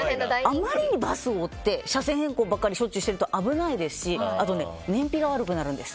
あまりにバスを追ってしょっちゅう車線変更ばかりしてると危ないですし燃費が悪くなるんです。